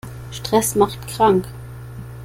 Stress macht krank.